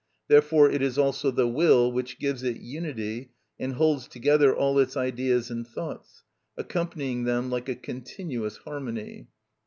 Therefore it is also the will which gives it unity and holds together all its ideas and thoughts, accompanying them like a continuous harmony.